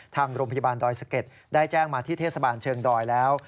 ทางโรงพยาบาลดอยสะเก็ดได้แจ้งมาที่เทศบาลเชิงดอยแล้ว